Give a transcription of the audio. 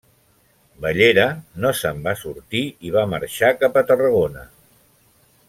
Bellera no se'n va sortir, i va marxar cap a Tarragona.